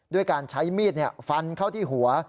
ด้วยการใช้มีดฟันเข้าที่หัว